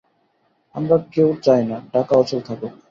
আমরা কেউ চাই না, ঢাকা অচল থাকুক।